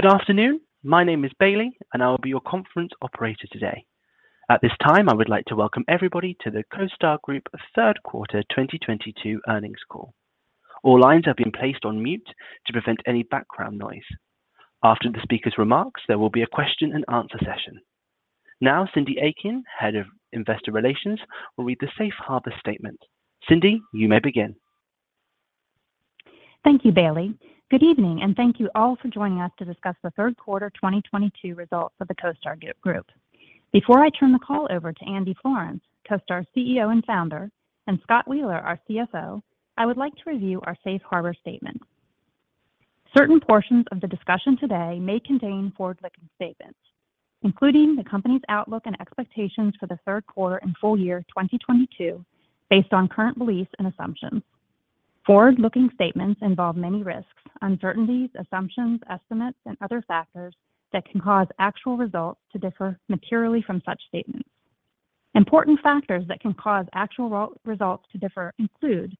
Good afternoon. My name is Bailey, and I will be your conference operator today. At this time, I would like to welcome everybody to the CoStar Group third quarter 2022 earnings call. All lines have been placed on mute to prevent any background noise. After the speaker's remarks, there will be a question and answer session. Now, Cyndi Eakin, Head of Investor Relations, will read the safe harbor statement. Cyndi, you may begin. Thank you, Bailey. Good evening, and thank you all for joining us to discuss the third quarter 2022 results of the CoStar Group. Before I turn the call over to Andy Florance, CoStar CEO and Founder, and Scott Wheeler, our CFO, I would like to review our safe harbor statement. Certain portions of the discussion today may contain forward-looking statements, including the company's outlook and expectations for the third quarter and full year 2022 based on current beliefs and assumptions. Forward-looking statements involve many risks, uncertainties, assumptions, estimates, and other factors that can cause actual results to differ materially from such statements. Important factors that can cause actual results to differ include,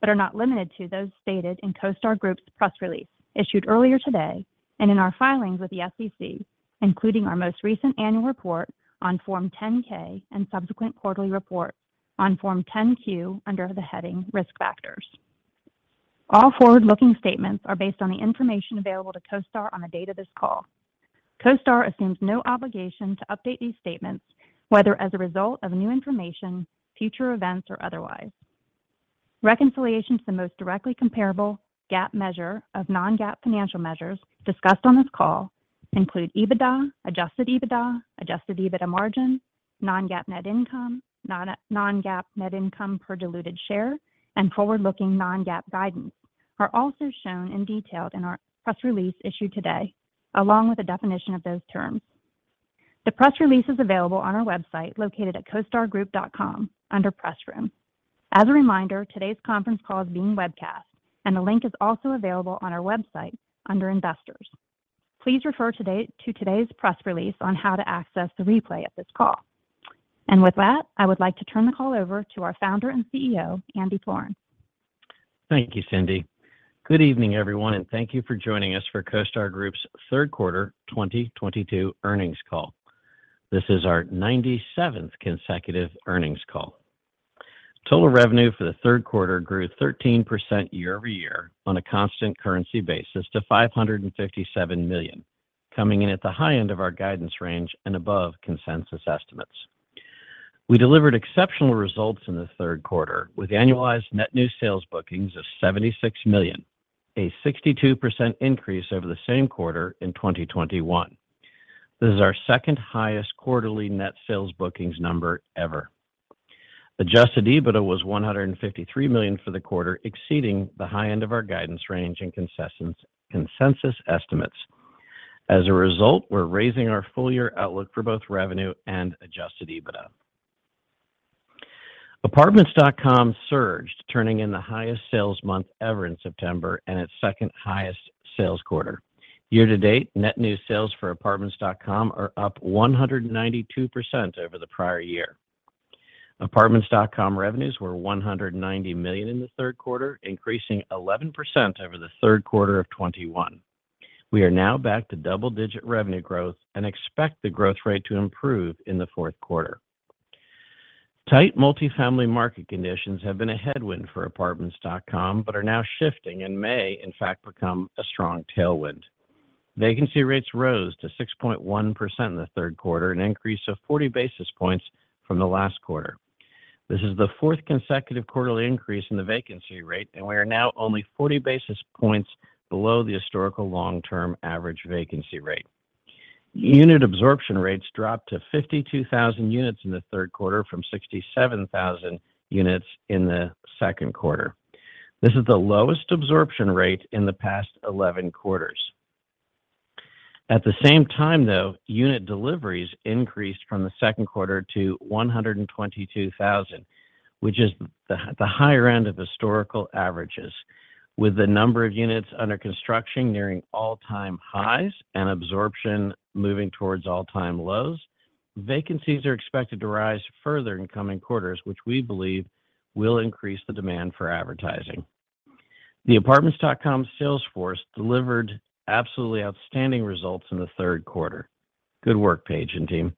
but are not limited to those stated in CoStar Group's press release issued earlier today and in our filings with the SEC, including our most recent annual report on Form 10-K and subsequent quarterly report on Form 10-Q under the heading Risk Factors. All forward-looking statements are based on the information available to CoStar on the date of this call. CoStar assumes no obligation to update these statements, whether as a result of new information, future events, or otherwise. Reconciliations to the most directly comparable GAAP measure of non-GAAP financial measures discussed on this call include EBITDA, adjusted EBITDA, adjusted EBITDA margin, non-GAAP net income, non-GAAP net income per diluted share, and forward-looking non-GAAP guidance are also shown and detailed in our press release issued today, along with a definition of those terms. The press release is available on our website located at costargroup.com under Press Room. As a reminder, today's conference call is being webcast, and the link is also available on our website under Investors. Please refer to today's press release on how to access the replay of this call. With that, I would like to turn the call over to our Founder and CEO, Andy Florance. Thank you, Cindi. Good evening, everyone, and thank you for joining us for CoStar Group's third quarter 2022 earnings call. This is our 97th consecutive earnings call. Total revenue for the third quarter grew 13% year-over-year on a constant currency basis to $557 million, coming in at the high end of our guidance range and above consensus estimates. We delivered exceptional results in the third quarter with annualized net new sales bookings of $76 million, a 62% increase over the same quarter in 2021. This is our second highest quarterly net sales bookings number ever. Adjusted EBITDA was $153 million for the quarter, exceeding the high end of our guidance range and consensus estimates. As a result, we're raising our full year outlook for both revenue and adjusted EBITDA. Apartments.com surged, turning in the highest sales month ever in September and its second highest sales quarter. Year to date, net new sales for Apartments.com are up 192% over the prior year. Apartments.com revenues were $190 million in the third quarter, increasing 11% over the third quarter of 2021. We are now back to double-digit revenue growth and expect the growth rate to improve in the fourth quarter. Tight multifamily market conditions have been a headwind for Apartments.com, but are now shifting and may, in fact, become a strong tailwind. Vacancy rates rose to 6.1% in the third quarter, an increase of 40 basis points from the last quarter. This is the fourth consecutive quarterly increase in the vacancy rate, and we are now only 40 basis points below the historical long-term average vacancy rate. Unit absorption rates dropped to 52,000 units in the third quarter from 67,000 units in the second quarter. This is the lowest absorption rate in the past 11 quarters. At the same time, though, unit deliveries increased from the second quarter to 122,000, which is the higher end of historical averages. With the number of units under construction nearing all-time highs and absorption moving towards all-time lows, vacancies are expected to rise further in coming quarters, which we believe will increase the demand for advertising. The Apartments.com sales force delivered absolutely outstanding results in the third quarter. Good work, Paige and team.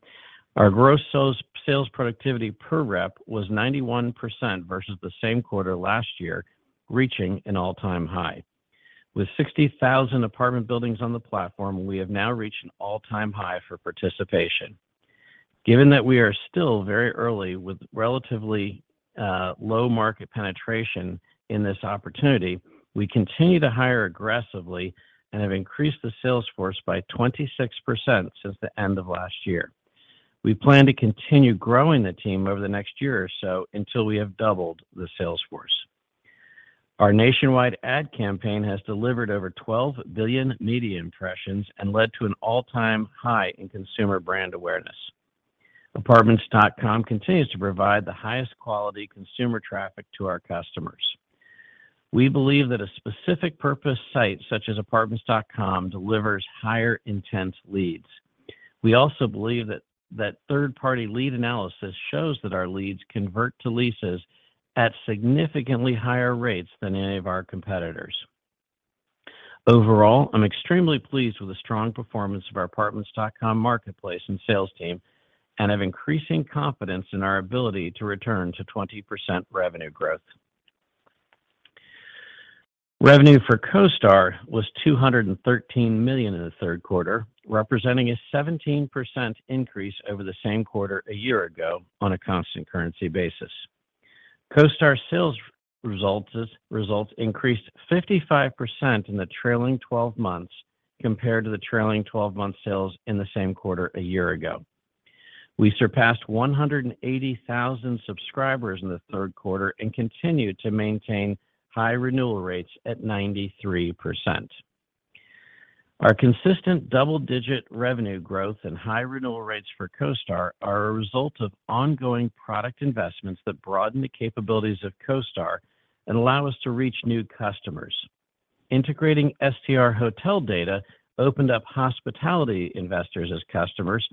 Our gross sales productivity per rep was 91% versus the same quarter last year, reaching an all-time high. With 60,000 apartment buildings on the platform, we have now reached an all-time high for participation. Given that we are still very early with relatively low market penetration in this opportunity, we continue to hire aggressively and have increased the sales force by 26% since the end of last year. We plan to continue growing the team over the next year or so until we have doubled the sales force. Our nationwide ad campaign has delivered over 12 billion media impressions and led to an all-time high in consumer brand awareness. Apartments.com continues to provide the highest quality consumer traffic to our customers. We believe that a specific purpose site such as Apartments.com delivers higher intent leads. We also believe that third-party lead analysis shows that our leads convert to leases at significantly higher rates than any of our competitors. Overall, I'm extremely pleased with the strong performance of our Apartments.com marketplace and sales team, and have increasing confidence in our ability to return to 20% revenue growth. Revenue for CoStar was $213 million in the third quarter, representing a 17% increase over the same quarter a year ago on a constant currency basis. CoStar sales results increased 55% in the trailing twelve months compared to the trailing 12-month sales in the same quarter a year ago. We surpassed 180,000 subscribers in the third quarter and continue to maintain high renewal rates at 93%. Our consistent double-digit revenue growth and high renewal rates for CoStar are a result of ongoing product investments that broaden the capabilities of CoStar and allow us to reach new customers. Integrating STR hotel data opened up hospitality investors as customers,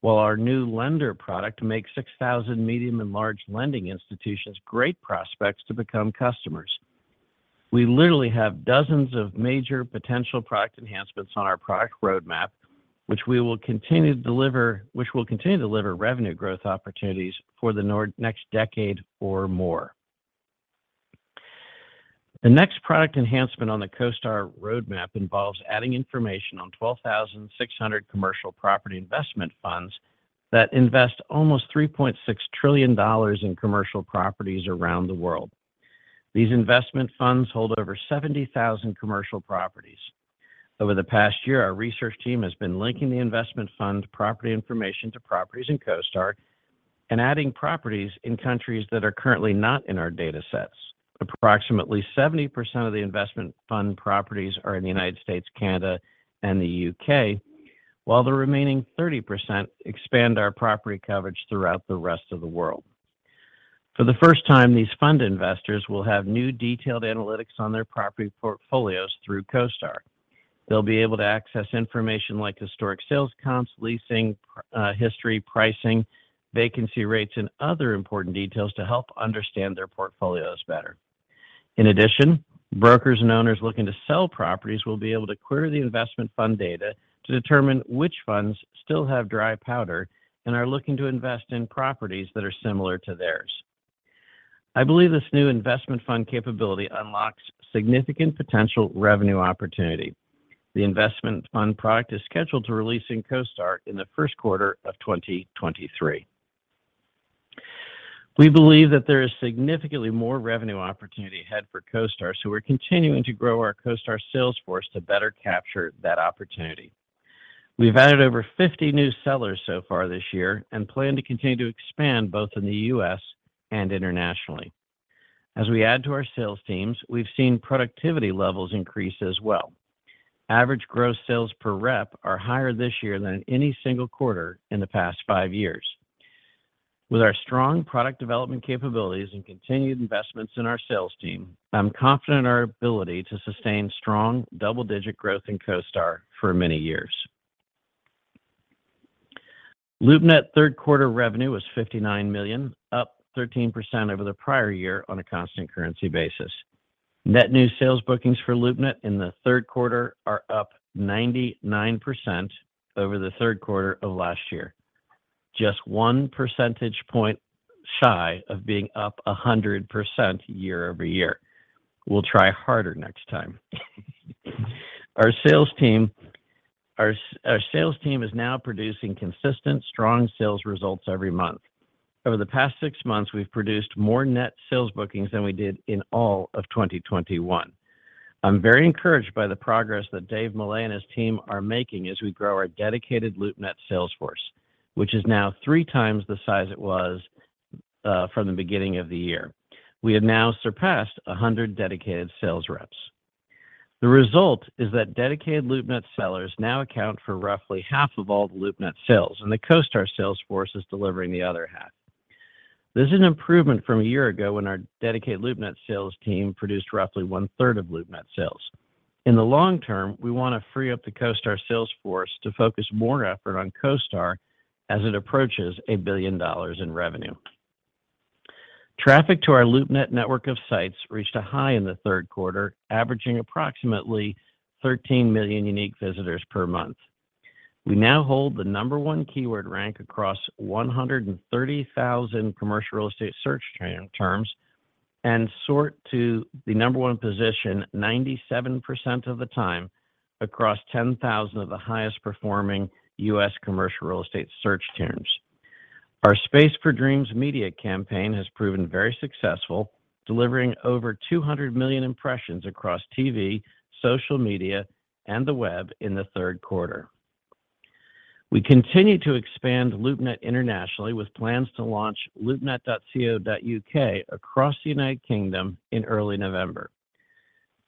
while our new lender product makes 6,000 medium and large lending institutions great prospects to become customers. We literally have dozens of major potential product enhancements on our product roadmap, which will continue to deliver revenue growth opportunities for the next decade or more. The next product enhancement on the CoStar roadmap involves adding information on 12,600 commercial property investment funds that invest almost $3.6 trillion in commercial properties around the world. These investment funds hold over 70,000 commercial properties. Over the past year, our research team has been linking the investment fund property information to properties in CoStar and adding properties in countries that are currently not in our datasets. Approximately 70% of the investment fund properties are in the United States, Canada, and the U.K., while the remaining 30% expand our property coverage throughout the rest of the world. For the first time, these fund investors will have new detailed analytics on their property portfolios through CoStar. They'll be able to access information like historic sales comps, leasing, history, pricing, vacancy rates, and other important details to help understand their portfolios better. In addition, brokers and owners looking to sell properties will be able to query the investment fund data to determine which funds still have dry powder and are looking to invest in properties that are similar to theirs. I believe this new investment fund capability unlocks significant potential revenue opportunity. The investment fund product is scheduled to release in CoStar in the first quarter of 2023. We believe that there is significantly more revenue opportunity ahead for CoStar, so we're continuing to grow our CoStar sales force to better capture that opportunity. We've added over 50 new sellers so far this year and plan to continue to expand both in the US and internationally. As we add to our sales teams, we've seen productivity levels increase as well. Average gross sales per rep are higher this year than in any single quarter in the past five years. With our strong product development capabilities and continued investments in our sales team, I'm confident in our ability to sustain strong double-digit growth in CoStar for many years. LoopNet third quarter revenue was $59 million, up 13% over the prior year on a constant currency basis. Net new sales bookings for LoopNet in the third quarter are up 99% over the third quarter of last year. Just 1 percentage point shy of being up 100% year-over-year. We'll try harder next time. Our sales team is now producing consistent strong sales results every month. Over the past 6 months, we've produced more net sales bookings than we did in all of 2021. I'm very encouraged by the progress that David Mullane and his team are making as we grow our dedicated LoopNet sales force, which is now three times the size it was from the beginning of the year. We have now surpassed 100 dedicated sales reps. The result is that dedicated LoopNet sellers now account for roughly half of all the LoopNet sales, and the CoStar sales force is delivering the other half. This is an improvement from a year ago when our dedicated LoopNet sales team produced roughly 1/3 of LoopNet sales. In the long term, we want to free up the CoStar sales force to focus more effort on CoStar as it approaches $1 billion in revenue. Traffic to our LoopNet network of sites reached a high in the third quarter, averaging approximately 13 million unique visitors per month. We now hold the number one keyword rank across 130,000 commercial real estate search terms and sort to the number one position 97% of the time across 10,000 of the highest performing U.S. commercial real estate search terms. Our Space for Dreams media campaign has proven very successful, delivering over 200 million impressions across TV, social media, and the web in the third quarter. We continue to expand LoopNet internationally with plans to launch LoopNet.co.uk across the United Kingdom in early November.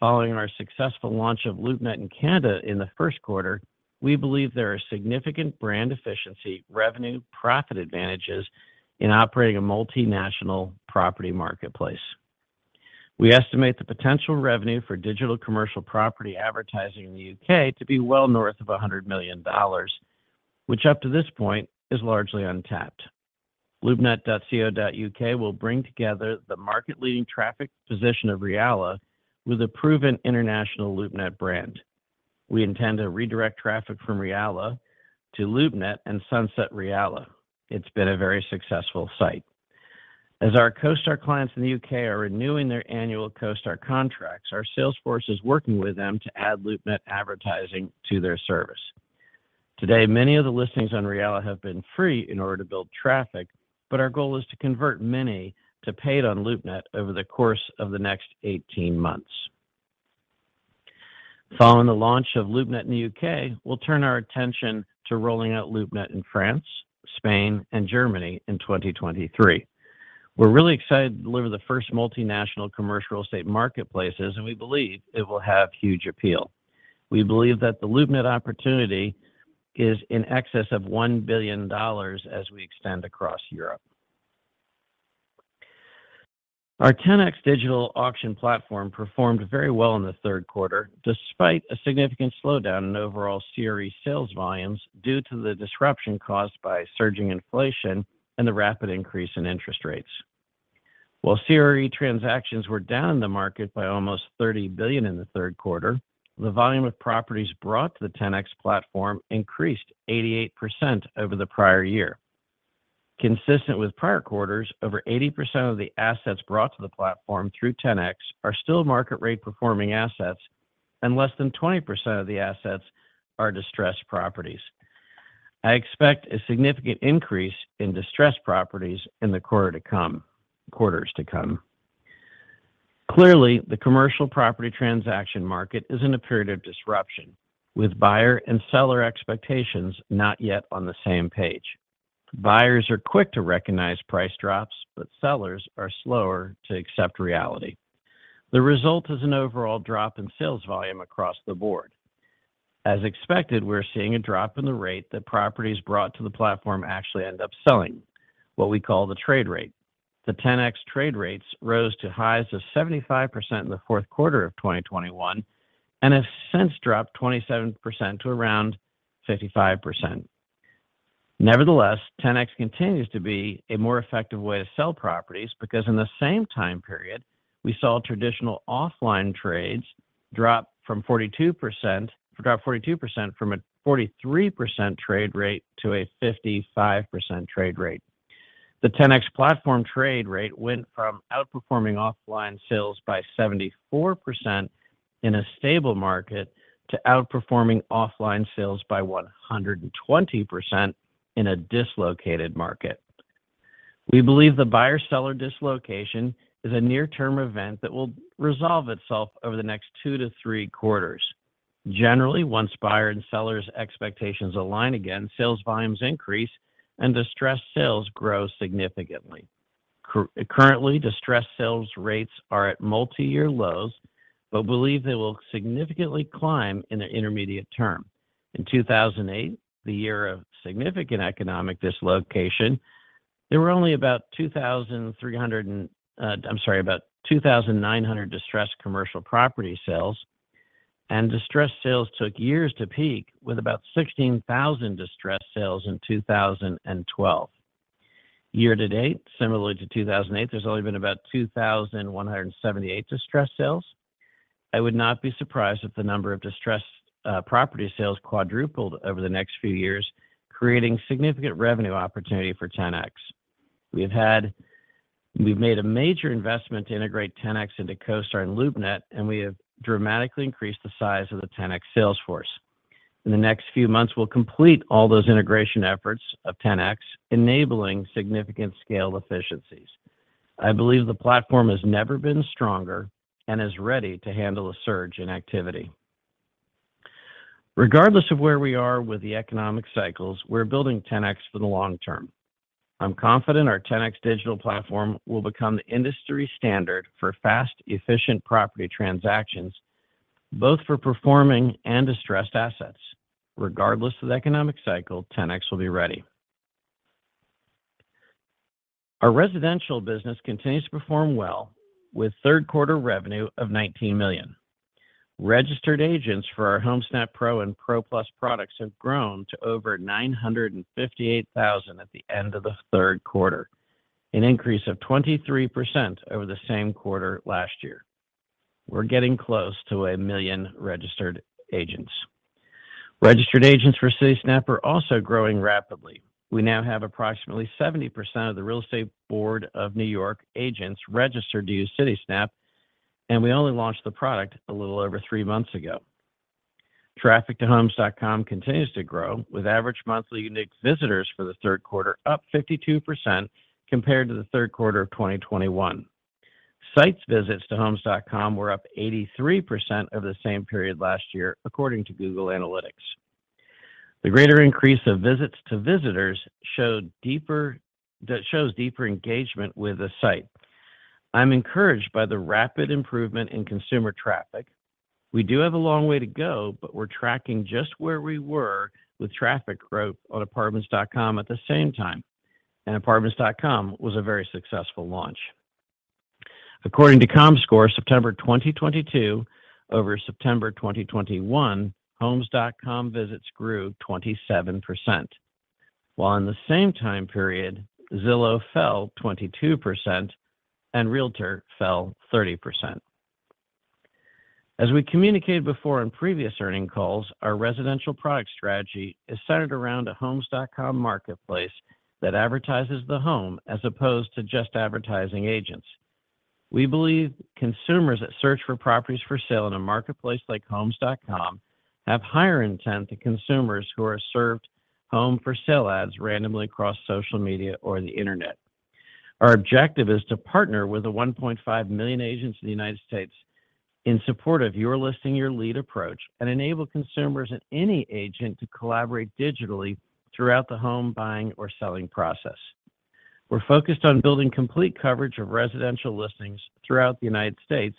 Following our successful launch of LoopNet in Canada in the first quarter, we believe there are significant brand efficiency, revenue, profit advantages in operating a multinational property marketplace. We estimate the potential revenue for digital commercial property advertising in the U.K. to be well north of $100 million, which up to this point is largely untapped. LoopNet.co.uk will bring together the market-leading traffic position of Realla with a proven international LoopNet brand. We intend to redirect traffic from Realla to LoopNet and sunset Realla. It's been a very successful site. As our CoStar clients in the U.K. are renewing their annual CoStar contracts, our sales force is working with them to add LoopNet advertising to their service. Today, many of the listing on Realla have been free in order to build traffic, but our goal is to convert many to paid on LoopNet over the course of the next 18-months. Following the launch of LoopNet in the U.K., we'll turn our attention to rolling out LoopNet in France, Spain, and Germany in 2023. We're really excited to deliver the first multinational commercial real estate marketplaces, and we believe it will have huge appeal. We believe that the LoopNet opportunity is in excess of $1 billion as we extend across Europe. Our Ten-X digital auction platform performed very well in the third quarter, despite a significant slowdown in overall CRE sales volumes due to the disruption caused by surging inflation and the rapid increase in interest rates. While CRE transactions were down in the market by almost $30 billion in the third quarter, the volume of properties brought to the Ten-X platform increased 88% over the prior year. Consistent with prior quarters, over 80% of the assets brought to the platform through Ten-X are still market rate performing assets, and less than 20% of the assets are distressed properties. I expect a significant increase in distressed properties in the quarters to come. Clearly, the commercial property transaction market is in a period of disruption, with buyer and seller expectations not yet on the same page. Buyers are quick to recognize price drops, but sellers are slower to accept reality. The result is an overall drop in sales volume across the board. As expected, we're seeing a drop in the rate that properties brought to the platform actually end up selling, what we call the trade rate. The Ten-X trade rates rose to highs of 75% in the fourth quarter of 2021, and have since dropped 27% to around 55%. Nevertheless, Ten-X continues to be a more effective way to sell properties because in the same time period, we saw traditional offline trades drop 42% from a 43% trade rate to a 55% trade rate. The Ten-X platform trade rate went from outperforming offline sales by 74% in a stable market to outperforming offline sales by 120% in a dislocated market. We believe the buyer-seller dislocation is a near-term event that will resolve itself over the next two to threee quarters. Generally, once buyer and seller's expectations align again, sales volumes increase and distressed sales grow significantly. Currently, distressed sales rates are at multi-year lows, but believe they will significantly climb in the intermediate term. In 2008, the year of significant economic dislocation, there were only about 2,900 distressed commercial property sales, and distressed sales took years to peak with about 16,000 distressed sales in 2012. Year to date, similarly to 2008, there's only been about 2,178 distressed sales. I would not be surprised if the number of distressed property sales quadrupled over the next few years, creating significant revenue opportunity for Ten-X. We've made a major investment to integrate Ten-X into CoStar and LoopNet, and we have dramatically increased the size of the Ten-X sales force. In the next few months, we'll complete all those integration efforts of Ten-X, enabling significant scale efficiencies. I believe the platform has never been stronger and is ready to handle a surge in activity. Regardless of where we are with the economic cycles, we're building Ten-X for the long term. I'm confident our Ten-X digital platform will become the industry standard for fast, efficient property transactions, both for performing and distressed assets. Regardless of the economic cycle, Ten-X will be ready. Our residential business continues to perform well with third quarter revenue of $19 million. Registered agents for our Homesnap Pro and Homesnap Pro+ products have grown to over 958,000 at the end of the third quarter, an increase of 23% over the same quarter last year. We're getting close to 1 million registered agents. Registered agents for Citysnap are also growing rapidly. We now have approximately 70% of the Real Estate Board of New York agents registered to use Citysnap, and we only launched the product a little over three months ago. Traffic to Homes.com continues to grow, with average monthly unique visitors for the third quarter up 52% compared to the third quarter of 2021. Site visits to Homes.com were up 83% over the same period last year, according to Google Analytics. The greater increase of visits over visitors showed deeper engagement with the site. I'm encouraged by the rapid improvement in consumer traffic. We do have a long way to go, but we're tracking just where we were with traffic growth on Apartments.com at the same time. Apartments.com was a very successful launch. According to Comscore, September 2022 over September 2021, Homes.com visits grew 27%, while in the same time period, Zillow fell 22% and Realtor fell 30%. As we communicated before in previous earnings calls, our residential product strategy is centered around a Homes.com marketplace that advertises the home as opposed to just advertising agents. We believe consumers that search for properties for sale in a marketplace like Homes.com have higher intent than consumers who are served home for sale ads randomly across social media or the internet. Our objective is to partner with the 1.5 million agents in the United States in support of your listing, your lead approach, and enable consumers and any agent to collaborate digitally throughout the home buying or selling process. We're focused on building complete coverage of residential listings throughout the United States,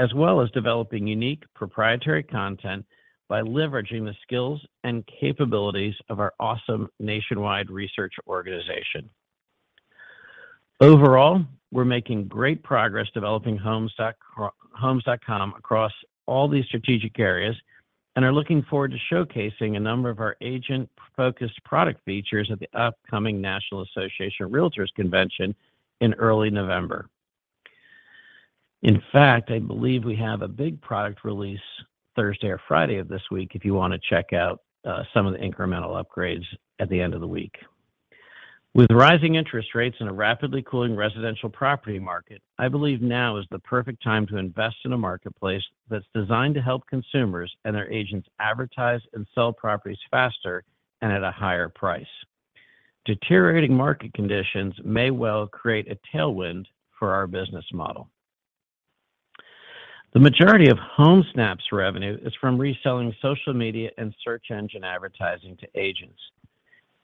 as well as developing unique proprietary content by leveraging the skills and capabilities of our awesome nationwide research organization. Overall, we're making great progress developing Homes.com across all these strategic areas and are looking forward to showcasing a number of our agent-focused product features at the upcoming National Association of REALTORS convention in early November. In fact, I believe we have a big product release Thursday or Friday of this week if you wanna check out some of the incremental upgrades at the end of the week. With rising interest rates in a rapidly cooling residential property market, I believe now is the perfect time to invest in a marketplace that's designed to help consumers and their agents advertise and sell properties faster and at a higher price. Deteriorating market conditions may well create a tailwind for our business model. The majority of Homesnap's revenue is from reselling social media and search engine advertising to agents.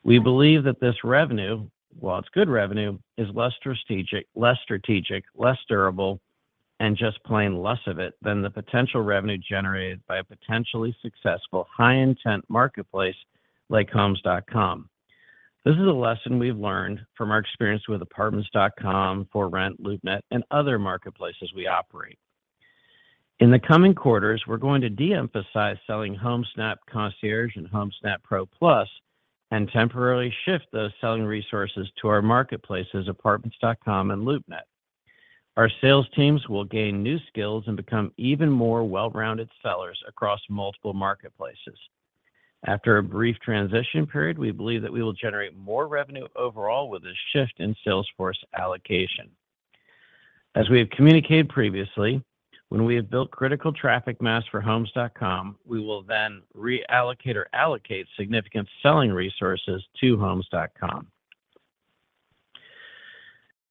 We believe that this revenue, while it's good revenue, is less strategic, less durable, and just plain less of it than the potential revenue generated by a potentially successful high-intent marketplace like Homes.com. This is a lesson we've learned from our experience with Apartments.com, ForRent, LoopNet, and other marketplaces we operate. In the coming quarters, we're going to de-emphasize selling Homesnap Concierge and Homesnap Pro+ and temporarily shift those selling resources to our marketplaces, Apartments.com and LoopNet. Our sales teams will gain new skills and become even more well-rounded sellers across multiple marketplaces. After a brief transition period, we believe that we will generate more revenue overall with a shift in sales force allocation. As we have communicated previously, when we have built critical traffic mass for Homes.com, we will then reallocate or allocate significant selling resources to Homes.com.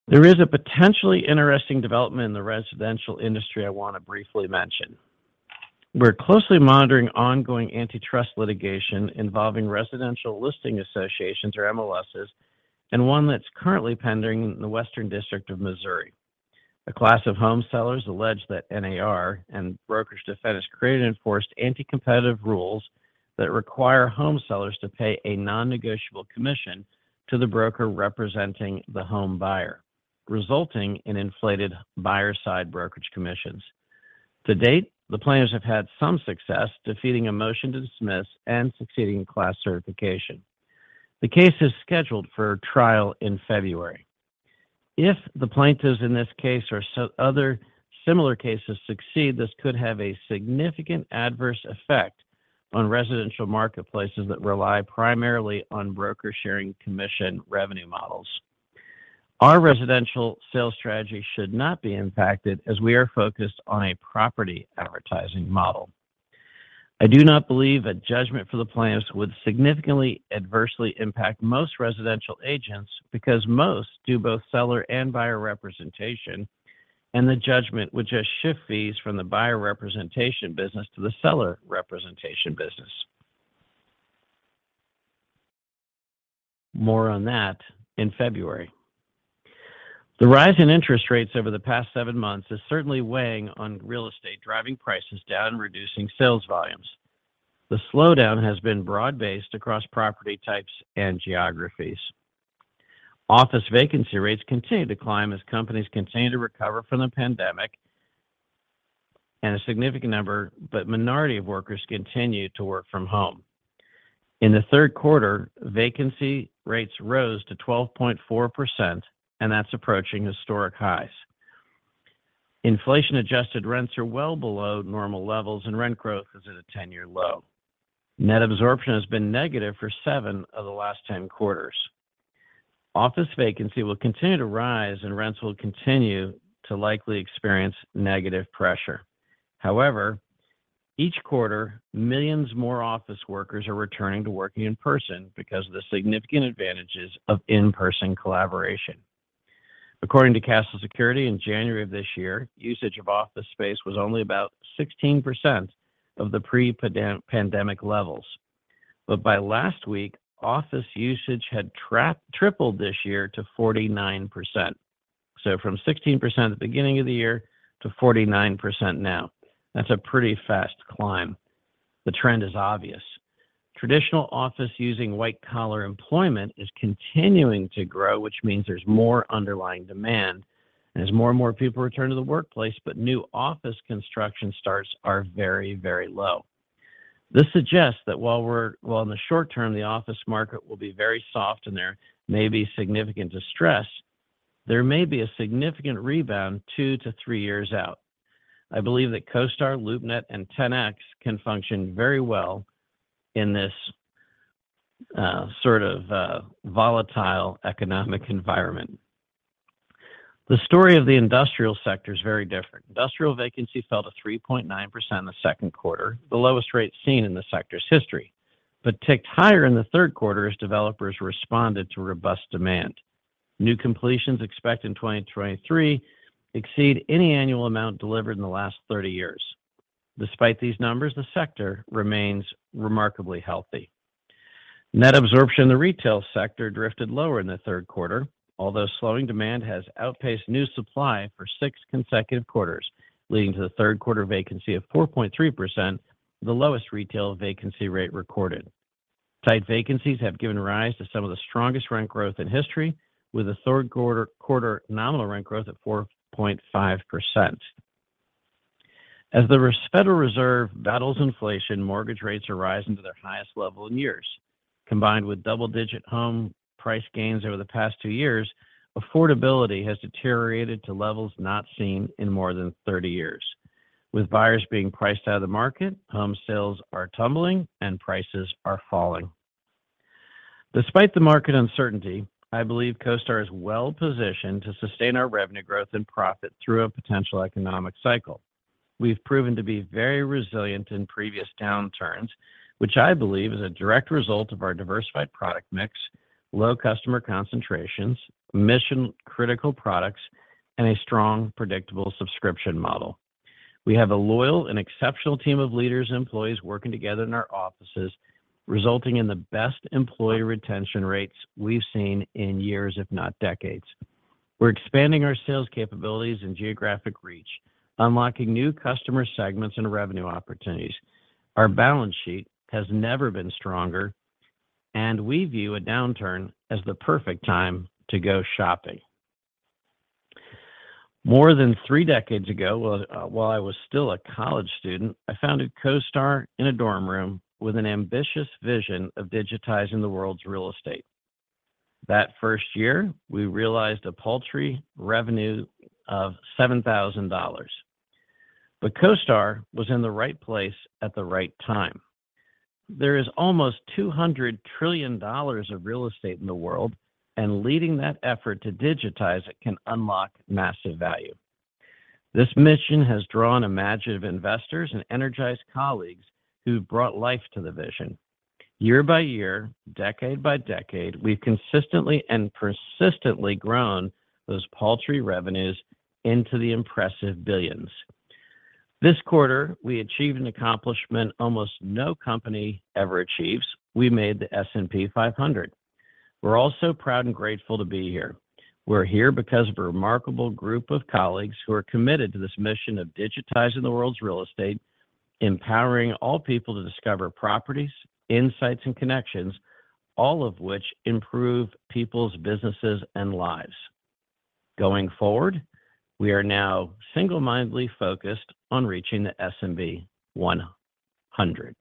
There is a potentially interesting development in the residential industry I wanna briefly mention. We're closely monitoring ongoing antitrust litigation involving residential listing associations or MLSs, and one that's currently pending in the Western District of Missouri. A class of home sellers allege that NAR and broker defendants have created enforced anti-competitive rules that require home sellers to pay a non-negotiable commission to the broker representing the home buyer, resulting in inflated buyer-side brokerage commissions. To date, the plaintiffs have had some success defeating a motion to dismiss and succeeding in class certification. The case is scheduled for trial in February. If the plaintiffs in this case or other similar cases succeed, this could have a significant adverse effect on residential marketplaces that rely primarily on broker sharing commission revenue models. Our residential sales strategy should not be impacted as we are focused on a property advertising model. I do not believe a judgment for the plaintiffs would significantly adversely impact most residential agents because most do both seller and buyer representation, and the judgment would just shift fees from the buyer representation business to the seller representation business. More on that in February. The rise in interest rates over the past seven months is certainly weighing on real estate, driving prices down, reducing sales volumes. The slowdown has been broad-based across property types and geographies. Office vacancy rates continue to climb as companies continue to recover from the pandemic, and a significant number, but minority of workers continue to work from home. In the third quarter, vacancy rates rose to 12.4%, and that's approaching historic highs. Inflation-adjusted rents are well below normal levels, and rent growth is at a 10-year low. Net absorption has been negative for seven of the last 10 quarters. Office vacancy will continue to rise, and rents will continue to likely experience negative pressure. However, each quarter, millions more office workers are returning to working in person because of the significant advantages of in-person collaboration. According to Kastle Systems, in January of this year, usage of office space was only about 16% of the pre-pandemic levels. By last week, office usage had tripled this year to 49%. From 16% at the beginning of the year to 49% now. That's a pretty fast climb. The trend is obvious. Traditional office using white-collar employment is continuing to grow, which means there's more underlying demand as more and more people return to the workplace, but new office construction starts are very, very low. This suggests that while in the short term, the office market will be very soft and there may be significant distress, there may be a significant rebound two to three years out. I believe that CoStar, LoopNet, and Ten-X can function very well in this sort of volatile economic environment. The story of the industrial sector is very different. Industrial vacancy fell to 3.9% the second quarter, the lowest rate seen in the sector's history, but ticked higher in the third quarter as developers responded to robust demand. New completions expected in 2023 exceed any annual amount delivered in the last 30-years. Despite these numbers, the sector remains remarkably healthy. Net absorption in the retail sector drifted lower in the third quarter, although slowing demand has outpaced new supply for six consecutive quarters, leading to the third quarter vacancy of 4.3%, the lowest retail vacancy rate recorded. Tight vacancies have given rise to some of the strongest rent growth in history, with the third quarter nominal rent growth at 4.5%. As the Federal Reserve battles inflation, mortgage rates are rising to their highest level in years. Combined with double-digit home price gains over the past two years, affordability has deteriorated to levels not seen in more than 30-years. With buyers being priced out of the market, home sales are tumbling and prices are falling. Despite the market uncertainty, I believe CoStar is well-positioned to sustain our revenue growth and profit through a potential economic cycle. We've proven to be very resilient in previous downturns, which I believe is a direct result of our diversified product mix, low customer concentrations, mission-critical products, and a strong, predictable subscription model. We have a loyal and exceptional team of leaders and employees working together in our offices, resulting in the best employee retention rates we've seen in years, if not decades. We're expanding our sales capabilities and geographic reach, unlocking new customer segments and revenue opportunities. Our balance sheet has never been stronger, and we view a downturn as the perfect time to go shopping. More than three decades ago, while I was still a college student, I founded CoStar in a dorm room with an ambitious vision of digitizing the world's real estate. That first year, we realized a paltry revenue of $7,000. CoStar was in the right place at the right time. There is almost $200 trillion of real estate in the world, and leading that effort to digitize it can unlock massive value. This mission has drawn imaginative investors and energized colleagues who've brought life to the vision. Year-by-year, decade by decade, we've consistently and persistently grown those paltry revenues into the impressive billions. This quarter, we achieved an accomplishment almost no company ever achieves. We made the S&P 500. We're all so proud and grateful to be here. We're here because of a remarkable group of colleagues who are committed to this mission of digitizing the world's real estate, empowering all people to discover properties, insights, and connections, all of which improve people's businesses and lives. Going forward, we are now single-mindedly focused on reaching the S&P 100.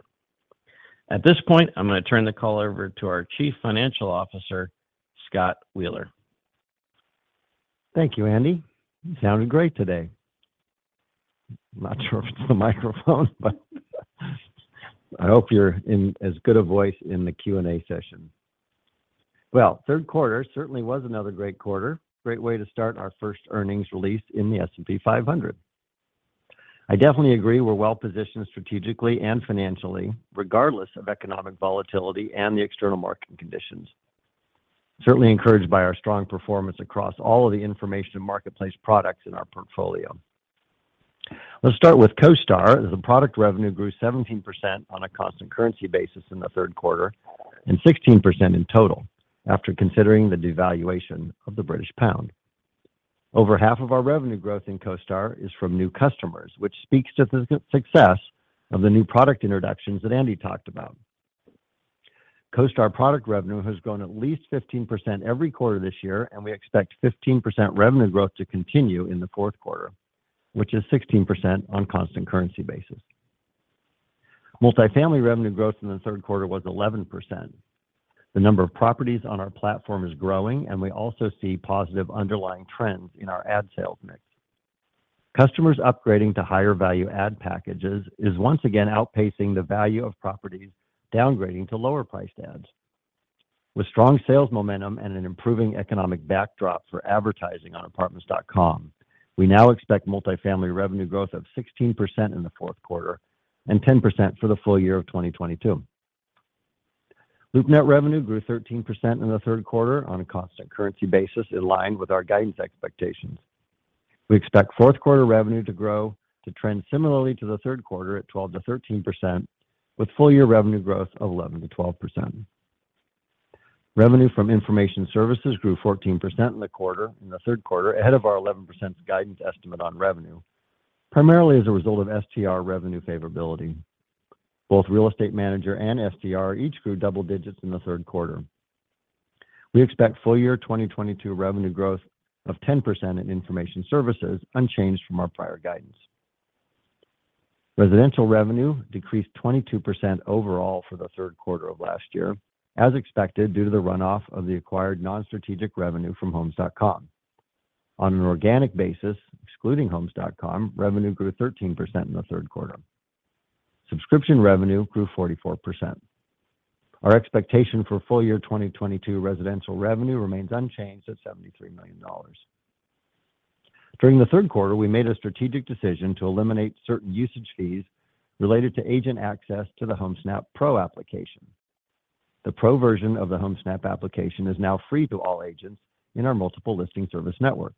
At this point, I'm gonna turn the call over to our Chief Financial Officer, Scott Wheeler. Thank you, Andy. You sounded great today. I'm not sure if it's the microphone, but I hope you're in as good a voice in the Q&A session. Well, third quarter certainly was another great quarter. Great way to start our first earnings release in the S&P 500. I definitely agree we're well-positioned strategically and financially, regardless of economic volatility and the external market conditions. Certainly encouraged by our strong performance across all of the information and marketplace products in our portfolio. Let's start with CoStar, as the product revenue grew 17% on a constant currency basis in the third quarter and 16% in total after considering the devaluation of the British pound. Over half of our revenue growth in CoStar is from new customers, which speaks to the success of the new product introductions that Andy talked about. CoStar product revenue has grown at least 15% every quarter this year, and we expect 15% revenue growth to continue in the fourth quarter, which is 16% on constant currency basis. Multifamily revenue growth in the third quarter was 11%. The number of properties on our platform is growing, and we also see positive underlying trends in our ad sales mix. Customers upgrading to higher-value ad packages is once again outpacing the value of properties downgrading to lower-priced ads. With strong sales momentum and an improving economic backdrop for advertising on Apartments.com, we now expect multifamily revenue growth of 16% in the fourth quarter and 10% for the full year of 2022. LoopNet revenue grew 13% in the third quarter on a constant currency basis, in line with our guidance expectations. We expect fourth quarter revenue to grow to trend similarly to the third quarter at 12%-13%, with full year revenue growth of 11%-12%. Revenue from information services grew 14% in the quarter, in the third quarter, ahead of our 11% guidance estimate on revenue, primarily as a result of STR revenue favorability. Both Real Estate Manager and STR each grew double digits in the third quarter. We expect full year 2022 revenue growth of 10% in information services, unchanged from our prior guidance. Residential revenue decreased 22% overall for the third quarter of last year, as expected, due to the runoff of the acquired non-strategic revenue from Homes.com. On an organic basis, excluding Homes.com, revenue grew 13% in the third quarter. Subscription revenue grew 44%. Our expectation for full year 2022 residential revenue remains unchanged at $73 million. During the third quarter, we made a strategic decision to eliminate certain usage fees related to agent access to the Homesnap Pro application. The Pro version of the Homesnap application is now free to all agents in our multiple listing service network.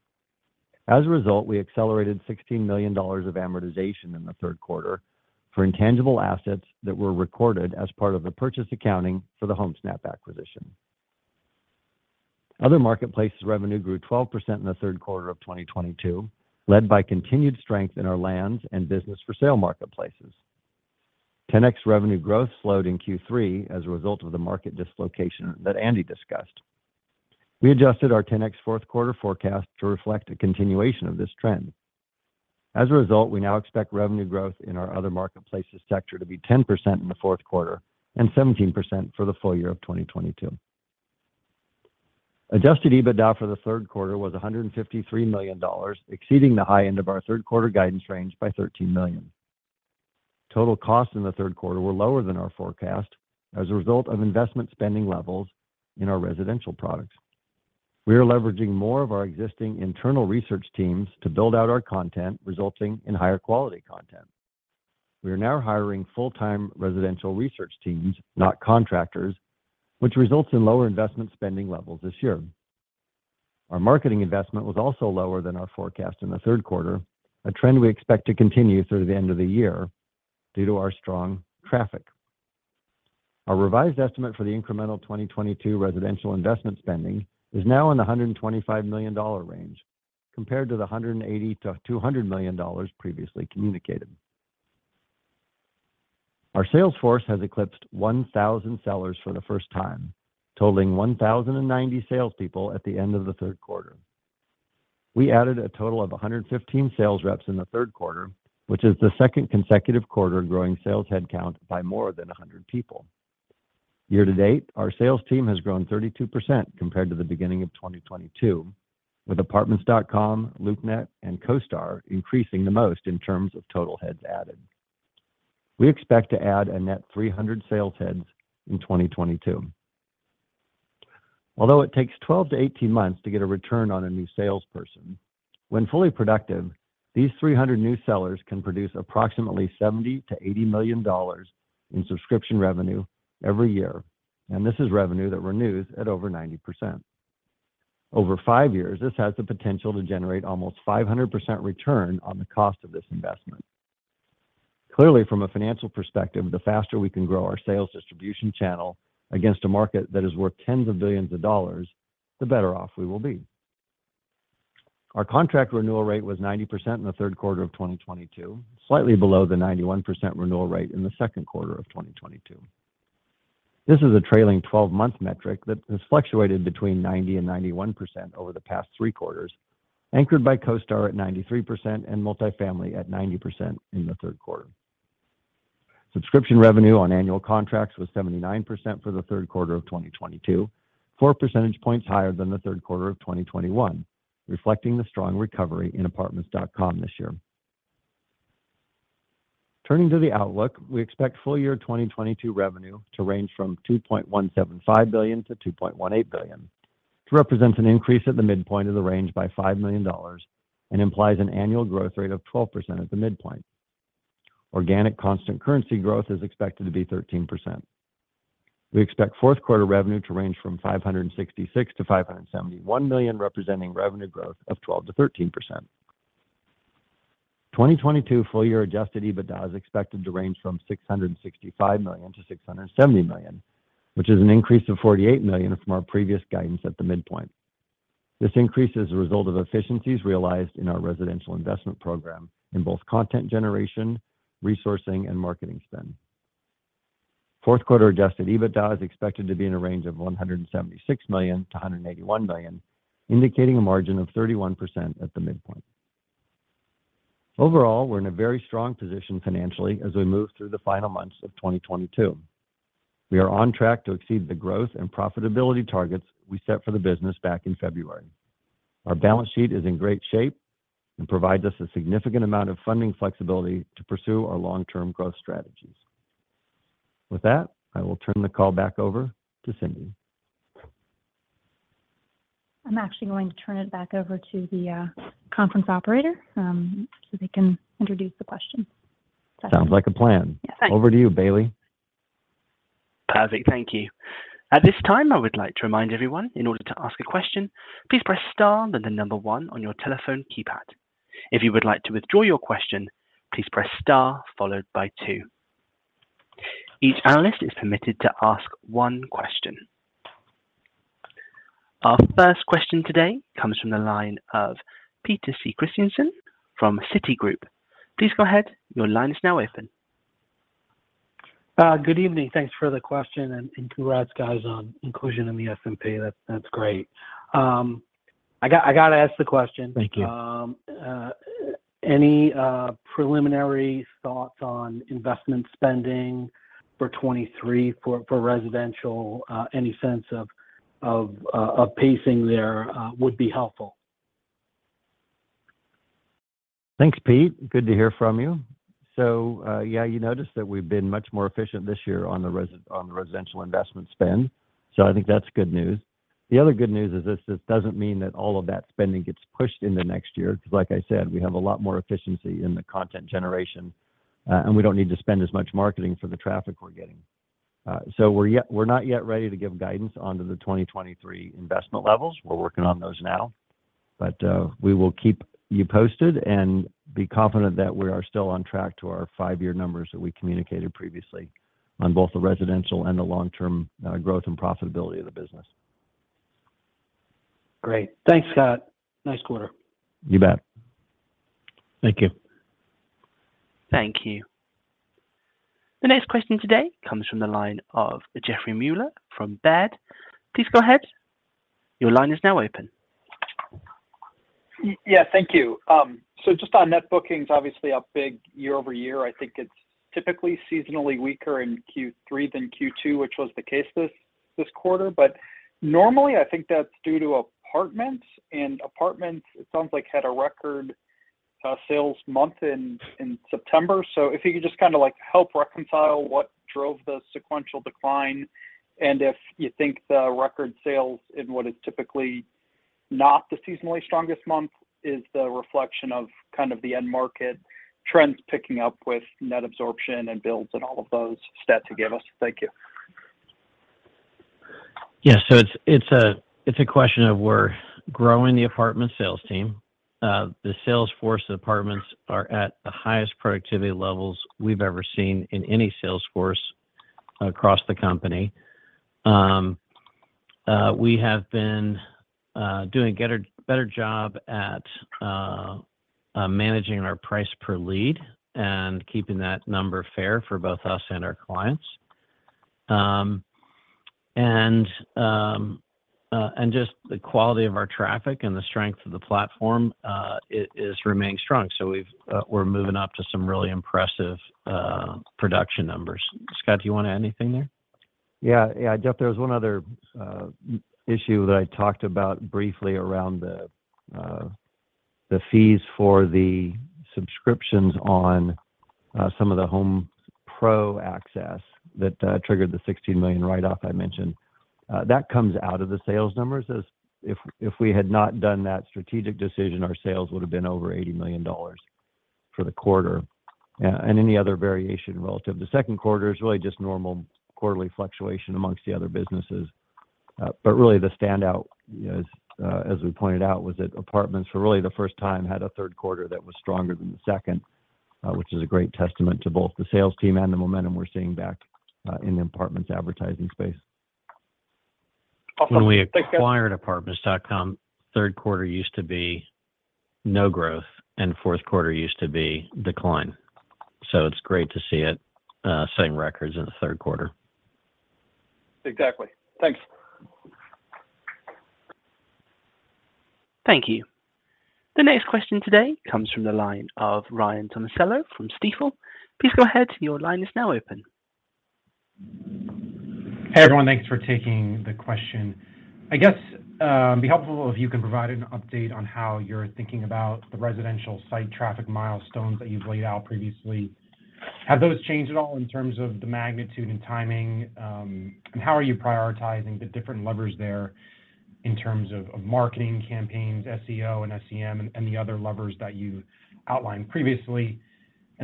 As a result, we accelerated $16 million of amortization in the third quarter for intangible assets that were recorded as part of the purchase accounting for the Homesnap acquisition. Other marketplaces revenue grew 12% in the third quarter of 2022, led by continued strength in our lands and business for sale marketplaces. Ten-X revenue growth slowed in Q3 as a result of the market dislocation that Andy discussed. We adjusted our Ten-X fourth quarter forecast to reflect a continuation of this trend. As a result, we now expect revenue growth in our other marketplaces sector to be 10% in the fourth quarter and 17% for the full year of 2022. Adjusted EBITDA for the third quarter was $153 million, exceeding the high end of our third quarter guidance range by $13 million. Total costs in the third quarter were lower than our forecast as a result of investment spending levels in our residential products. We are leveraging more of our existing internal research teams to build out our content, resulting in higher quality content. We are now hiring full-time residential research teams, not contractors, which results in lower investment spending levels this year. Our marketing investment was also lower than our forecast in the third quarter, a trend we expect to continue through the end of the year due to our strong traffic. Our revised estimate for the incremental 2022 residential investment spending is now in the $125 million range, compared to the $180 million-$200 million previously communicated. Our sales force has eclipsed 1,000 sellers for the first time, totaling 1,090 salespeople at the end of the third quarter. We added a total of 115 sales reps in the third quarter, which is the second consecutive quarter growing sales headcount by more than 100 people. Year to date, our sales team has grown 32% compared to the beginning of 2022, with Apartments.com, LoopNet and CoStar increasing the most in terms of total heads added. We expect to add a net 300 sales heads in 2022. Although it takes 12-18 months to get a return on a new salesperson, when fully productive, these 300 new sellers can produce approximately $70 million-$80 million in subscription revenue every year, and this is revenue that renews at over 90%. Over five years, this has the potential to generate almost 500% return on the cost of this investment. Clearly, from a financial perspective, the faster we can grow our sales distribution channel against a market that is worth tens of billions of dollars, the better off we will be. Our contract renewal rate was 90% in the third quarter of 2022, slightly below the 91% renewal rate in the second quarter of 2022. This is a trailing twelve-month metric that has fluctuated between 90%-91% over the past three quarters, anchored by CoStar at 93% and multifamily at 90% in the third quarter. Subscription revenue on annual contracts was 79% for the third quarter of 2022, four percentage points higher than the third quarter of 2021, reflecting the strong recovery in Apartments.com this year. Turning to the outlook, we expect full year 2022 revenue to range from $2.175 billion-$2.18 billion. This represents an increase at the midpoint of the range by $5 million and implies an annual growth rate of 12% at the midpoint. Organic constant currency growth is expected to be 13%. We expect fourth quarter revenue to range from $566 million-$571 million, representing revenue growth of 12%-13%. 2022 full year adjusted EBITDA is expected to range from $665 million-$670 million, which is an increase of $48 million from our previous guidance at the midpoint. This increase is a result of efficiencies realized in our residential investment program in both content generation, resourcing, and marketing spend. Fourth quarter adjusted EBITDA is expected to be in a range of $176 million-$181 million, indicating a margin of 31% at the midpoint. Overall, we're in a very strong position financially as we move through the final months of 2022. We are on track to exceed the growth and profitability targets we set for the business back in February. Our balance sheet is in great shape and provides us a significant amount of funding flexibility to pursue our long-term growth strategies. With that, I will turn the call back over to Cyndi. I'm actually going to turn it back over to the conference operator, so they can introduce the questions. Sounds like a plan. Yes. Over to you, Bailey. Perfect. Thank you. At this time, I would like to remind everyone, in order to ask a question, please press star, then the number one on your telephone keypad. If you would like to withdraw your question, please press star followed by two. Each analyst is permitted to ask one question. Our first question today comes from the line of Peter C. Christiansen from Citigroup. Please go ahead. Your line is now open. Good evening. Thanks for the question, and congrats guys on inclusion in the S&P. That's great. I gotta ask the question. Thank you. Any preliminary thoughts on investment spending for 2023 for residential, any sense of pacing there, would be helpful. Thanks, Peter. Good to hear from you. Yeah, you noticed that we've been much more efficient this year on the residential investment spend, so I think that's good news. The other good news is this just doesn't mean that all of that spending gets pushed into next year, 'cause like I said, we have a lot more efficiency in the content generation, and we don't need to spend as much marketing for the traffic we're getting. We're not yet ready to give guidance on the 2023 investment levels. We're working on those now. We will keep you posted and be confident that we are still on track to our five-year numbers that we communicated previously on both the residential and the long-term growth and profitability of the business. Great. Thanks, Scott. Nice quarter. You bet. Thank you. Thank you. The next question today comes from the line of Jeff Meuler from Baird. Please go ahead. Your line is now open. Yeah, thank you. Just on net bookings, obviously up big year-over-year. I think it's typically seasonally weaker in Q3 than Q2, which was the case this quarter. Normally, I think that's due to Apartments.com, and it sounds like Apartments.com had a record sales month in September. If you could just kinda like help reconcile what drove the sequential decline, and if you think the record sales in what is typically not the seasonally strongest month is the reflection of kind of the end market trends picking up with net absorption and builds and all of those stats you give us. Thank you. It's a question of we're growing the apartment sales team. The sales force of apartments are at the highest productivity levels we've ever seen in any sales force across the company. We have been doing a better job at managing our price per lead and keeping that number fair for both us and our clients. Just the quality of our traffic and the strength of the platform is remaining strong. We're moving up to some really impressive production numbers. Scott, do you wanna add anything there? Yeah. Yeah, Jeff, there was one other issue that I talked about briefly around the fees for the subscriptions on some of the Homesnap Pro access that triggered the $16 million write-off I mentioned. That comes out of the sales numbers as if we had not done that strategic decision, our sales would have been over $80 million for the quarter. Any other variation relative to second quarter is really just normal quarterly fluctuation amongst the other businesses. Really the standout, as we pointed out, was that Apartments.com for really the first time had a third quarter that was stronger than the second, which is a great testament to both the sales team and the momentum we're seeing back in the Apartments.com advertising space. Awesome. Thank you. When we acquired Apartments.com, third quarter used to be no growth, and fourth quarter used to be decline. It's great to see it setting records in the third quarter. Exactly. Thanks. Thank you. The next question today comes from the line of Ryan Tomasello from Stifel. Please go ahead. Your line is now open. Hey, everyone. Thanks for taking the question. I guess it'd be helpful if you can provide an update on how you're thinking about the residential site traffic milestones that you've laid out previously. Have those changed at all in terms of the magnitude and timing? How are you prioritizing the different levers there in terms of marketing campaigns, SEO and SEM and the other levers that you outlined previously?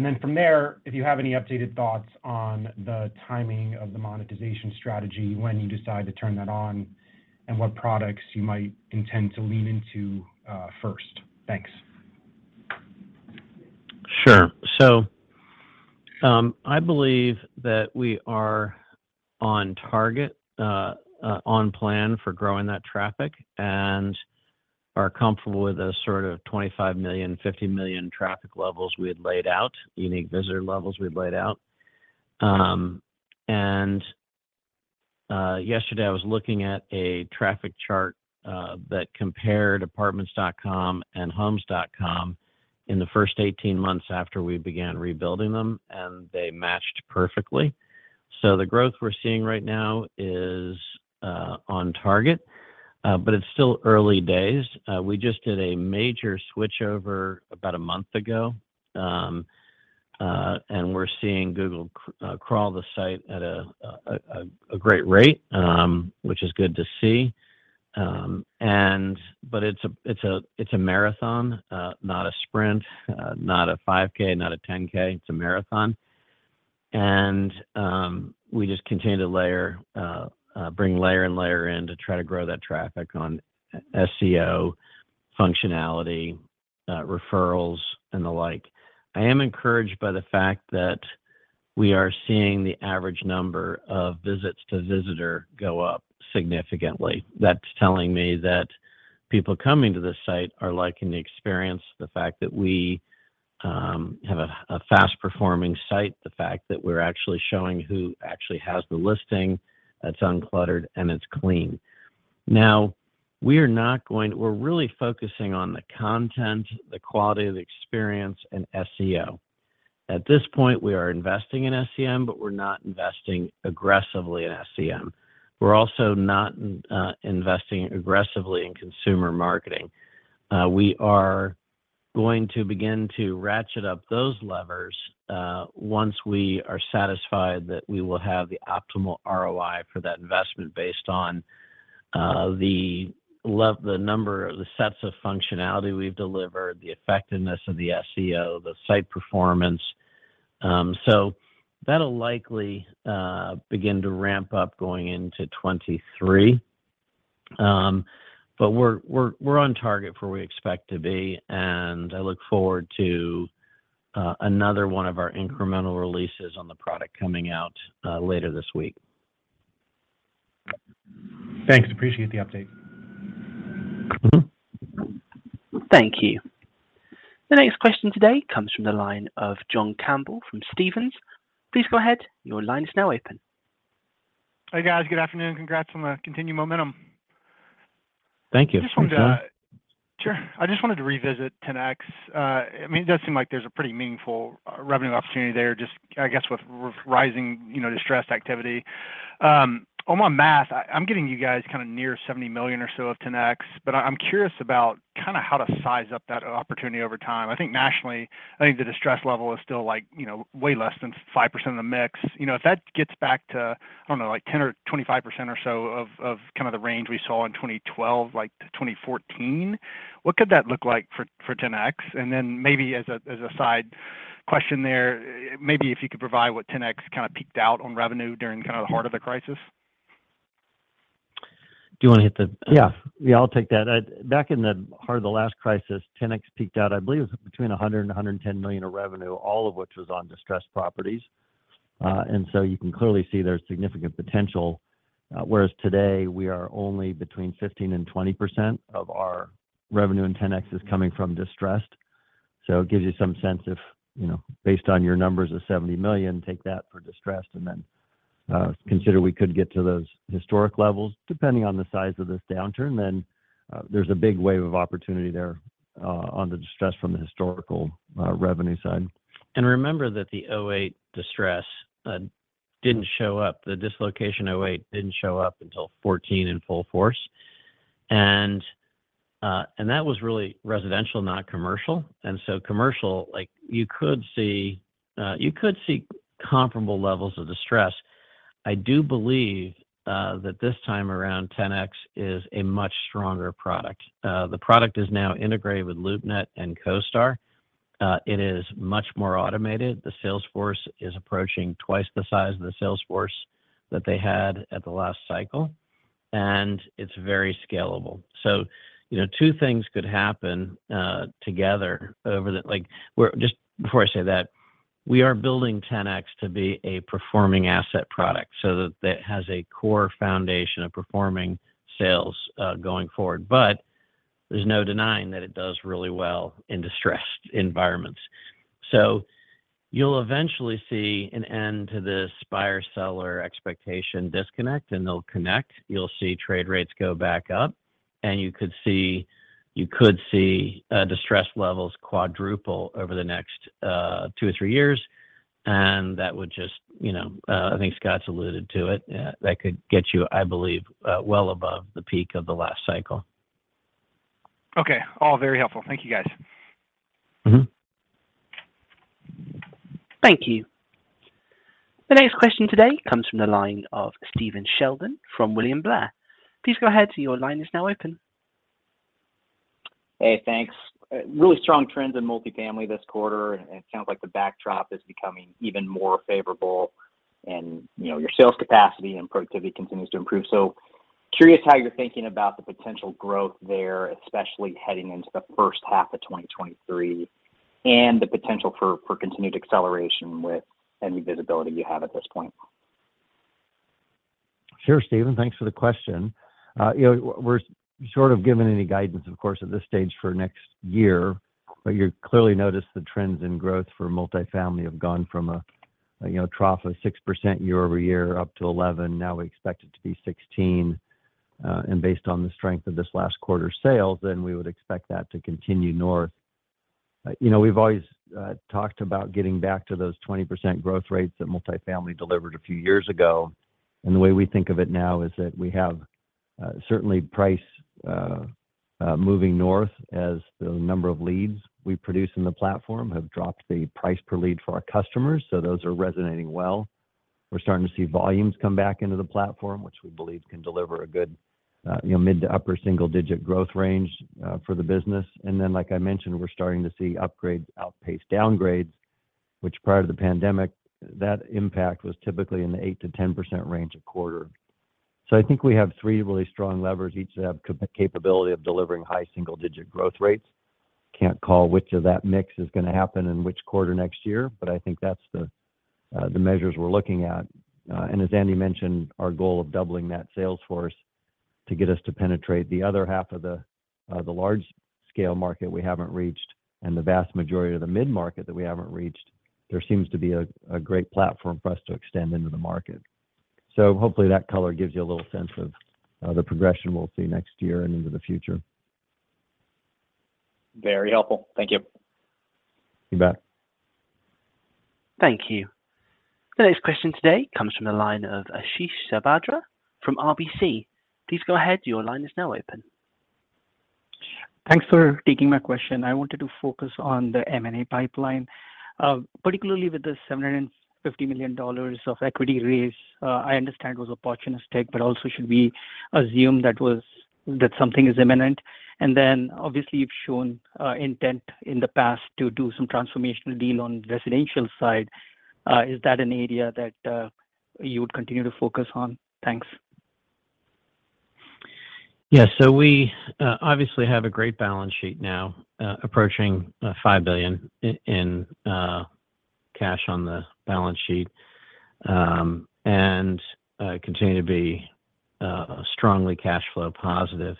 Then from there, if you have any updated thoughts on the timing of the monetization strategy when you decide to turn that on, and what products you might intend to lean into first. Thanks. Sure. I believe that we are on target, on plan for growing that traffic and are comfortable with the sort of 25 million, 50 million traffic levels we had laid out, unique visitor levels we'd laid out. Yesterday I was looking at a traffic chart that compared Apartments.com and Homes.com in the first 18-months after we began rebuilding them, and they matched perfectly. The growth we're seeing right now is on target, but it's still early days. We just did a major switchover about a month ago, and we're seeing Google crawl the site at a great rate, which is good to see. It's a marathon, not a sprint, not a 5K, not a 10K. It's a marathon. We just continue to layer in to try to grow that traffic on SEO functionality, referrals and the like. I am encouraged by the fact that we are seeing the average number of visits per visitor go up significantly. That's telling me that people coming to the site are liking the experience, the fact that we have a fast-performing site, the fact that we're actually showing who actually has the listing that's uncluttered and it's clean. Now, we're really focusing on the content, the quality of the experience, and SEO. At this point, we are investing in SEM, but we're not investing aggressively in SEM. We're also not investing aggressively in consumer marketing. We are going to begin to ratchet up those levers once we are satisfied that we will have the optimal ROI for that investment based on the number or the sets of functionality we've delivered, the effectiveness of the SEO, the site performance. That'll likely begin to ramp up going into 2023. We're on target for where we expect to be, and I look forward to another one of our incremental releases on the product coming out later this week. Thanks. Appreciate the update. Thank you. The next question today comes from the line of John Campbell from Stephens. Please go ahead. Your line is now open. Hey, guys. Good afternoon. Congrats on the continued momentum. Thank you. I just wanted to. Thanks, John. Sure. I just wanted to revisit Ten-X. I mean, it does seem like there's a pretty meaningful revenue opportunity there just, I guess, with rising, you know, distressed activity. On my math, I'm getting you guys kinda near $70 million or so of Ten-X, but I'm curious about kinda how to size up that opportunity over time. Nationally, the distress level is still like, you know, way less than 5% of the mix. You know, if that gets back to, I don't know, like 10% or 25% or so of kind of the range we saw in 2012-2014, what could that look like for Ten-X? Then maybe as a side question there, maybe if you could provide what Ten-X kinda peaked out on revenue during kinda the heart of the crisis. Do you wanna hit the? Yeah. Yeah, I'll take that. Back in the heart of the last crisis, Ten-X peaked out, I believe it was $100 million-$110 million of revenue, all of which was on distressed properties. You can clearly see there's significant potential, whereas today we are only 15%-20% of our revenue in Ten-X is coming from distressed. It gives you some sense if, you know, based on your numbers of $70 million, take that for distressed, and then consider we could get to those historic levels. Depending on the size of this downturn, there's a big wave of opportunity there on the distressed from the historical revenue side. Remember that the 2008 distress didn't show up. The dislocation 2008 didn't show up until 2014 in full force. That was really residential, not commercial. Commercial, like, you could see comparable levels of distress. I do believe that this time around, Ten-X is a much stronger product. The product is now integrated with LoopNet and CoStar. It is much more automated. The sales force is approaching twice the size of the sales force that they had at the last cycle, and it's very scalable. You know, two things could happen together. Like, just before I say that, we are building Ten-X to be a performing asset product so that it has a core foundation of performing sales going forward. There's no denying that it does really well in distressed environments. You'll eventually see an end to this buyer-seller expectation disconnect, and they'll connect. You'll see trade rates go back up, and you could see distress levels quadruple over the next two or three years. That would just, you know, I think Scott's alluded to it. That could get you, I believe, well above the peak of the last cycle. Okay. All very helpful. Thank you, guys. Mm-hmm. Thank you. The next question today comes from the line of Stephen Sheldon from William Blair. Please go ahead. Your line is now open. Hey, thanks. Really strong trends in multifamily this quarter, and it sounds like the backdrop is becoming even more favorable, and, you know, your sales capacity and productivity continues to improve. Curious how you're thinking about the potential growth there, especially heading into the first half of 2023 and the potential for continued acceleration with any visibility you have at this point. Sure, Stephen. Thanks for the question. You know, we're short of giving any guidance, of course, at this stage for next year, but you clearly notice the trends in growth for multifamily have gone from a, you know, trough of 6% year-over-year up to 11. Now we expect it to be 16. Based on the strength of this last quarter's sales, then we would expect that to continue north. You know, we've always talked about getting back to those 20% growth rates that multifamily delivered a few years ago. The way we think of it now is that we have certainly price moving north as the number of leads we produce in the platform have dropped the price per lead for our customers, so those are resonating well. We're starting to see volumes come back into the platform, which we believe can deliver a good, you know, mid to upper single-digit growth range for the business. Then, like I mentioned, we're starting to see upgrades outpace downgrades, which prior to the pandemic, that impact was typically in the 8%-10% range a quarter. I think we have three really strong levers, each have capability of delivering high single-digit growth rates. Can't call which of that mix is gonna happen in which quarter next year, but I think that's the measures we're looking at. As Andy mentioned, our goal of doubling that sales force to get us to penetrate the other half of the large-scale market we haven't reached and the vast majority of the mid-market that we haven't reached, there seems to be a great platform for us to extend into the market. Hopefully that color gives you a little sense of the progression we'll see next year and into the future. Very helpful. Thank you. You bet. Thank you. The next question today comes from the line of Ashish Sabadra from RBC. Please go ahead, your line is now open. Thanks for taking my question. I wanted to focus on the M&A pipeline. Particularly with the $750 million of equity raise, I understand was opportunistic, but also should we assume that something is imminent? Then obviously you've shown intent in the past to do some transformational deal on residential side. Is that an area that you would continue to focus on? Thanks. Yeah. We obviously have a great balance sheet now, approaching $5 billion in cash on the balance sheet. We continue to be strongly cash flow positive.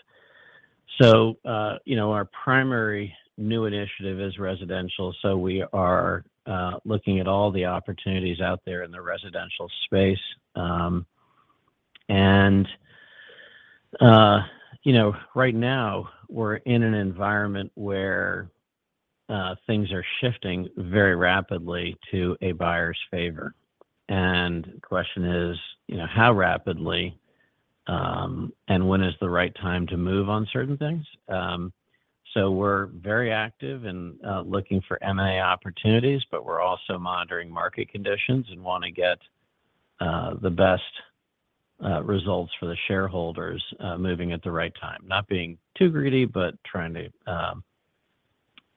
You know, our primary new initiative is residential, so we are looking at all the opportunities out there in the residential space. You know, right now we're in an environment where things are shifting very rapidly to a buyer's favor. The question is, you know, how rapidly and when is the right time to move on certain things. We're very active in looking for M&A opportunities, but we're also monitoring market conditions and wanna get the best results for the shareholders, moving at the right time. Not being too greedy, but trying to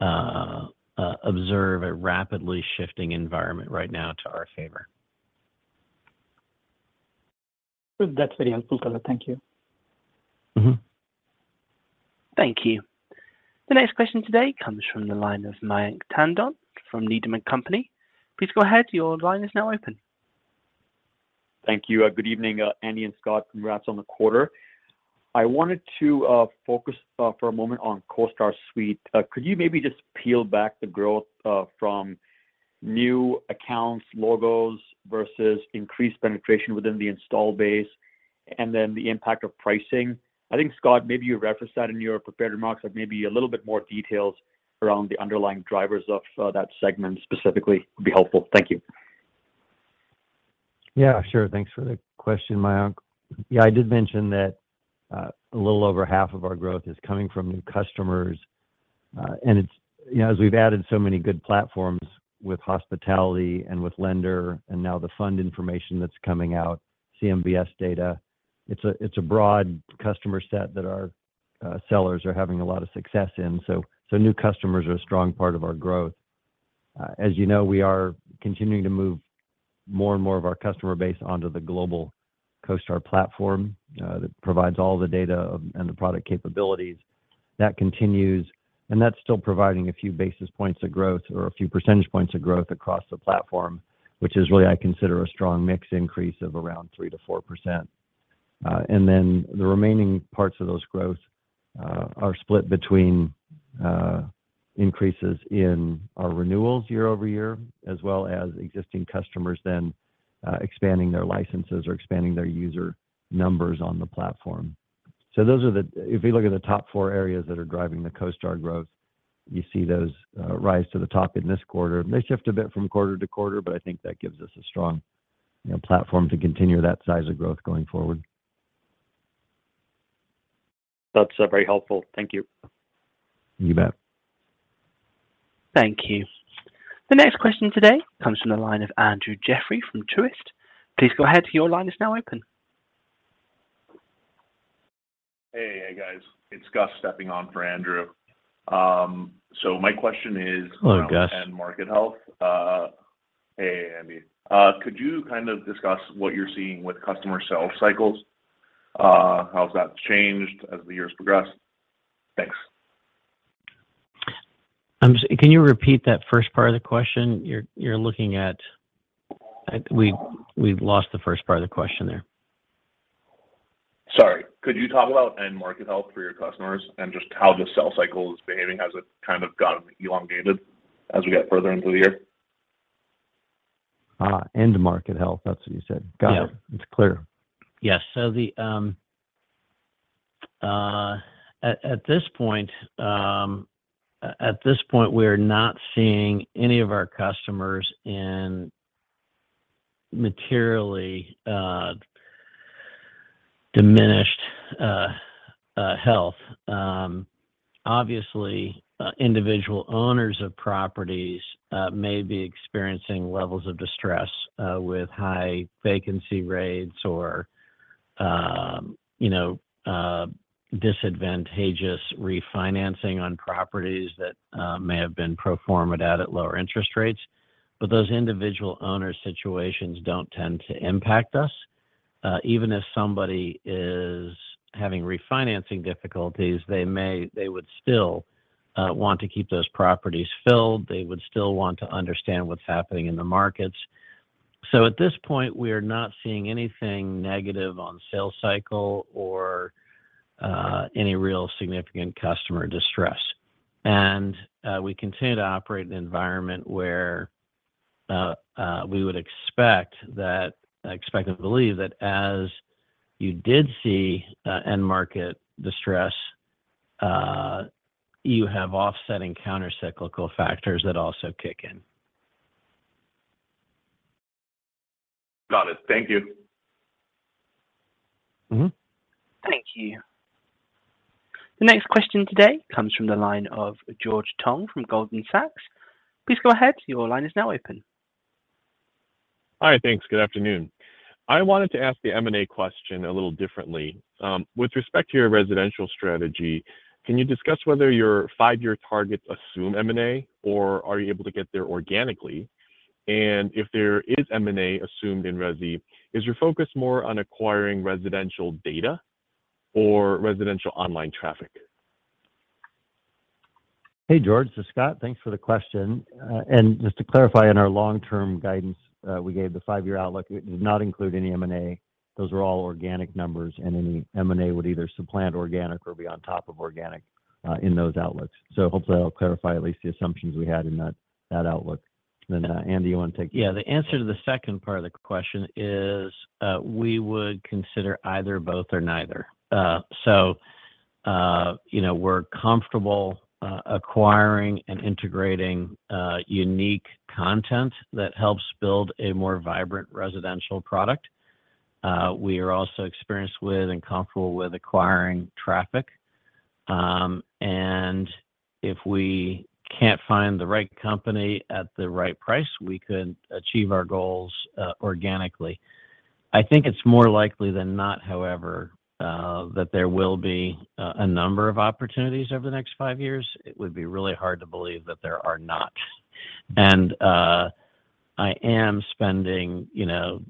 observe a rapidly shifting environment right now to our favor. Good. That's very helpful, Color. Thank you. Mm-hmm. Thank you. The next question today comes from the line of Mayank Tandon from Needham & Company. Please go ahead, your line is now open. Thank you. Good evening, Andy and Scott. Congrats on the quarter. I wanted to focus for a moment on CoStar Suite. Could you maybe just peel back the growth from new accounts, logos, versus increased penetration within the install base, and then the impact of pricing? I think, Scott, maybe you referenced that in your prepared remarks, but maybe a little bit more details around the underlying drivers of that segment specifically would be helpful. Thank you. Yeah, sure. Thanks for the question, Mayank. Yeah, I did mention that, a little over half of our growth is coming from new customers. And it's, you know, as we've added so many good platforms with hospitality and with lender, and now the fund information that's coming out, CMBS data, it's a broad customer set that our sellers are having a lot of success in. So new customers are a strong part of our growth. As you know, we are continuing to move more and more of our customer base onto the global CoStar platform, that provides all the data and the product capabilities. That continues, and that's still providing a few basis points of growth or a few percentage points of growth across the platform, which is really, I consider, a strong mix increase of around 3%-4%. The remaining parts of those growth are split between increases in our renewals year-over-year, as well as existing customers then expanding their licenses or expanding their user numbers on the platform. Those are the. If you look at the top four areas that are driving the CoStar growth, you see those rise to the top in this quarter. They shift a bit from quarter to quarter, but I think that gives us a strong, you know, platform to continue that size of growth going forward. That's very helpful. Thank you. You bet. Thank you. The next question today comes from the line of Andrew Jeffrey from Truist. Please go ahead, your line is now open. Hey. Hey, guys. It's Gus stepping on for Andrew. My question is- Hello, Gus. Around end market health. Hey, Andy. Could you kind of discuss what you're seeing with customer sales cycles? How's that changed as the years progress? Thanks. Can you repeat that first part of the question? You're looking at. We lost the first part of the question there. Sorry. Could you talk about end market health for your customers and just how the sales cycle is behaving? Has it kind of gotten elongated as we get further into the year? End market health, that's what you said. Yeah. Got it. It's clear. Yes. At this point we're not seeing any of our customers in materially Diminished health. Obviously, individual owners of properties may be experiencing levels of distress with high vacancy rates or, you know, disadvantageous refinancing on properties that may have been pro forma'd out at lower interest rates. Those individual owner situations don't tend to impact us. Even if somebody is having refinancing difficulties, they would still want to keep those properties filled. They would still want to understand what's happening in the markets. At this point, we are not seeing anything negative on sales cycle or any real significant customer distress. We continue to operate in an environment where we would expect and believe that as you did see, end market distress, you have offsetting countercyclical factors that also kick in. Got it. Thank you. Mm-hmm. Thank you. The next question today comes from the line of George Tong from Goldman Sachs. Please go ahead. Your line is now open. Hi. Thanks. Good afternoon. I wanted to ask the M&A question a little differently. With respect to your residential strategy, can you discuss whether your five year targets assume M&A or are you able to get there organically? If there is M&A assumed in resi, is your focus more on acquiring residential data or residential online traffic? Hey, George. This is Scott. Thanks for the question. Just to clarify, in our long-term guidance, we gave the five-year outlook. It does not include any M&A. Those are all organic numbers, and any M&A would either supplant organic or be on top of organic in those outlooks. Hopefully I'll clarify at least the assumptions we had in that outlook. Andy, you wanna? Yeah, the answer to the second part of the question is we would consider either both or neither. You know, we're comfortable acquiring and integrating unique content that helps build a more vibrant residential product. We are also experienced with and comfortable with acquiring traffic. If we can't find the right company at the right price, we could achieve our goals organically. I think it's more likely than not, however, that there will be a number of opportunities over the next five years. It would be really hard to believe that there are not. I am spending, you know,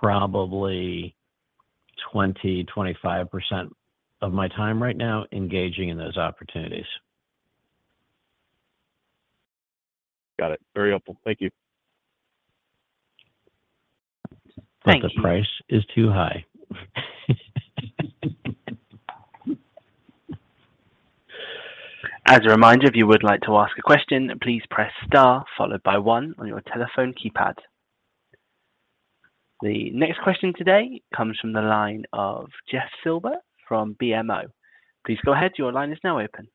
probably 20%-25% of my time right now engaging in those opportunities. Got it. Very helpful. Thank you. Thank you. The price is too high. As a reminder, if you would like to ask a question, please press star followed by one on your telephone keypad. The next question today comes from the line of Jeff Silber from BMO. Please go ahead. Your line is now open.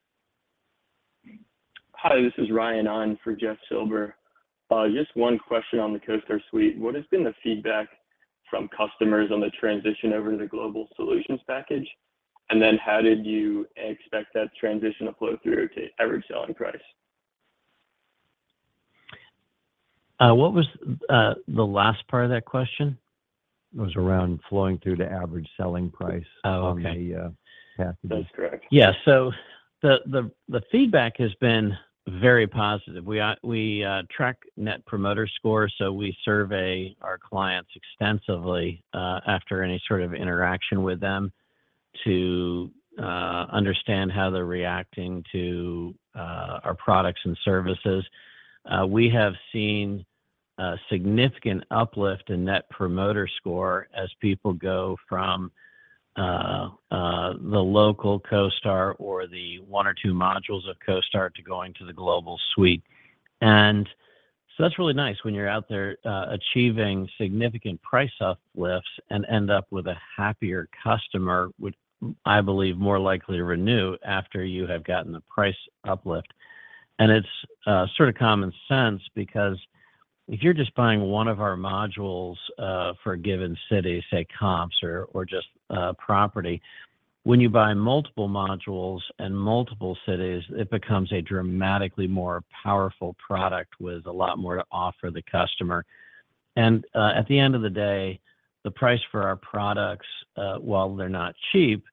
Hi, this is Ryan on for Jeff Silber. Just one question on the CoStar Suite. What has been the feedback from customers on the transition over to the Global Solutions package? How did you expect that transition to flow through to average selling price? What was the last part of that question? It was around flowing through to average selling price. Oh, okay. on the path to that's correct. Yeah. The feedback has been very positive. We track Net Promoter Score, so we survey our clients extensively after any sort of interaction with them to understand how they're reacting to our products and services. We have seen a significant uplift in Net Promoter Score as people go from the local CoStar or the one or two modules of CoStar to going to the global suite. That's really nice when you're out there achieving significant price uplifts and end up with a happier customer would make me, I believe, more likely to renew after you have gotten the price uplift. It's sort of common sense because if you're just buying one of our modules for a given city, say comps or just property, when you buy multiple modules in multiple cities, it becomes a dramatically more powerful product with a lot more to offer the customer. At the end of the day, the price for our products, while they're not cheap,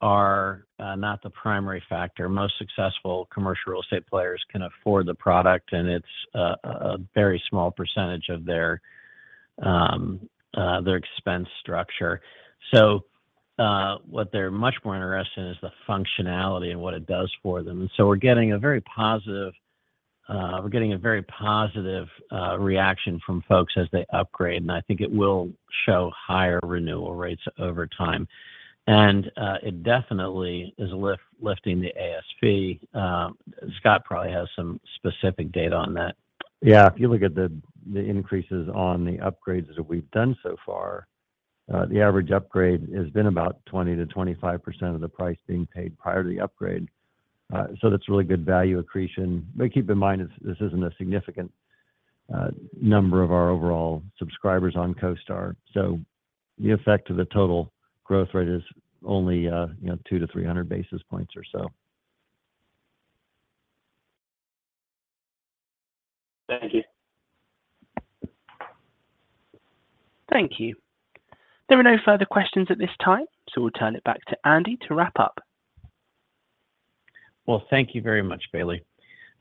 are not the primary factor. Most successful commercial real estate players can afford the product, and it's a very small percentage of their expense structure. What they're much more interested in is the functionality and what it does for them. We're getting a very positive reaction from folks as they upgrade, and I think it will show higher renewal rates over time. It definitely is lifting the ASV. Scott probably has some specific data on that. If you look at the increases on the upgrades that we've done so far, the average upgrade has been about 20%-25% of the price being paid prior to the upgrade. That's really good value accretion. Keep in mind, this isn't a significant number of our overall subscribers on CoStar. The effect of the total growth rate is only, you know, 200 basis-300 basis points or so. Thank you. Thank you. There are no further questions at this time, so we'll turn it back to Andy to wrap up. Well, thank you very much, Bailey.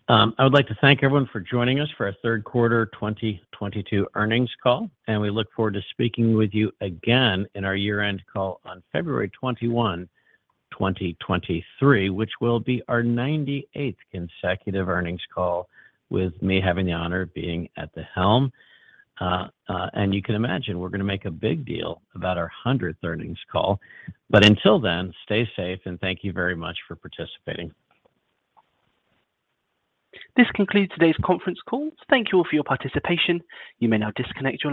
I would like to thank everyone for joining us for our third quarter 2022 earnings call, and we look forward to speaking with you again in our year-end call on February 21, 2023, which will be our 98th consecutive earnings call with me having the honor of being at the helm. You can imagine we're gonna make a big deal about our 100th earnings call. Until then, stay safe, and thank you very much for participating. This concludes today's conference call. Thank you all for your participation. You may now disconnect your lines.